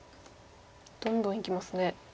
どんどんいきますね。